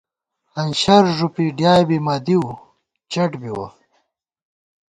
ہنشر ݫُوپی ڈیائے بی مہ دِؤ ، چَٹ بِوَہ